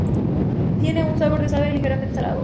Tiene un sabor de suave ligeramente salado.